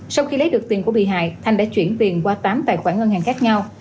sau khi lấy được tiền của bị hại thanh đã chuyển tiền qua tám tài khoản ngân hàng khác nhau